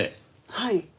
はい。